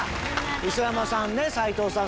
磯山さんね斎藤さん